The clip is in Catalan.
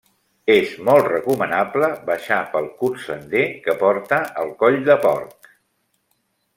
És molt recomanable baixar pel curt sender que porta al Coll de Porc.